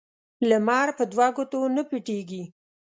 لمر په دوه ګوتو نه پټیږي